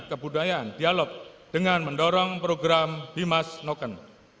kebudayaan dialog dengan mendorong program bimas noken